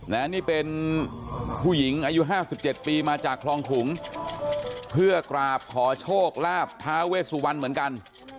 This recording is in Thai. และนี่เป็นผู้หญิงอายุห้าสิบเจ็ดปีมาจากคลองขุงเพื่อกราบขอโชคลาบทาเวสวันเหมือนกัน